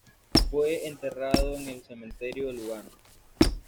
Fue enterrado en el cementerio de Lugano.